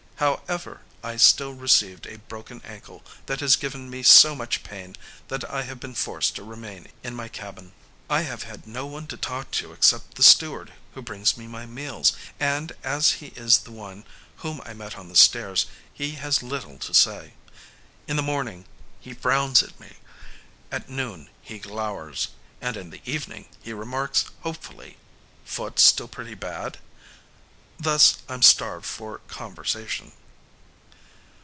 However, I still received a broken ankle that has given me so much pain that I have been forced to remain in my cabin. "I have had no one to talk to except the steward who brings me my meals, and, as he is the one whom I met on the stairs, he has little to say. In the morning he frowns at me, at noon he glowers, and in the evening he remarks hopefully, 'Foot still pretty bad?' Thus, I'm starved for conversation."